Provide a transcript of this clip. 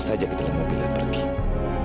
saking paniknya memikirkan amira sudah out fit